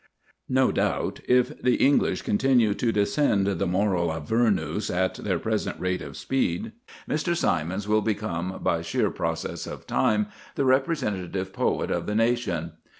No doubt, if the English continue to descend the moral Avernus at their present rate of speed, Mr. Symons will become, by sheer process of time, the representative poet of the nation.